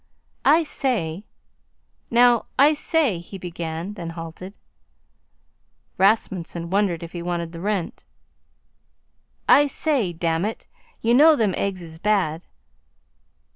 "I say now I say " he began, then halted. Rasmunsen wondered if he wanted the rent. "I say, damn it, you know, them eggs is bad."